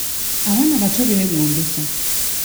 Abaana abato beegombesa.